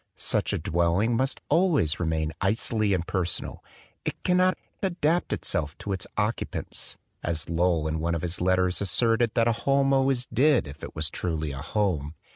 Such a dwelling must always re main icily impersonal; it cannot "adapt to its occupants" as Lowell in one of his let :;sMTtr<l that a noun always did, if it : ruly a home.